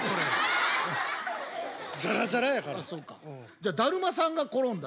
じゃあだるまさんが転んだ知ってる？